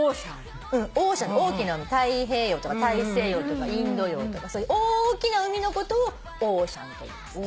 大きな海太平洋とか大西洋とかインド洋とかそういう大きな海のことをオーシャンといいます。